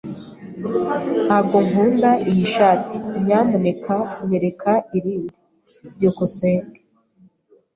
Ntabwo nkunda iyi shati. Nyamuneka nyereka irindi. byukusenge